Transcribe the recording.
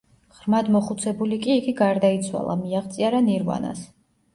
ღრმად მოხუცებული კი იგი გარდაიცვალა, მიაღწია რა ნირვანას.